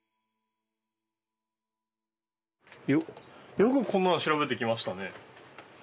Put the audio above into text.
よくこんなの調べてきましたね。